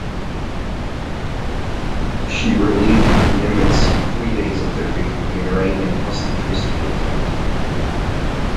She relieved "Nimitz" three days after the Iranian hostage rescue attempt.